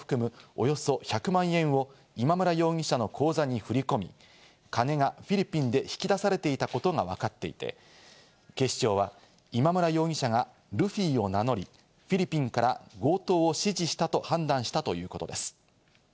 およそ１００万円を今村容疑者の口座に振り込み、金がフィリピンで引き出されていたことがわかっていて、警視庁は今村容疑者がルフィを名乗り、フィリピンから強盗を指示したと判断したということです。